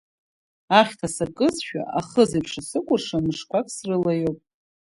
Ахьҭа сакызшәа, ахызеиԥш исыкәыршан мышқәак срылаиоуп.